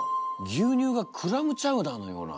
ぎゅうにゅうがクラムチャウダーのような。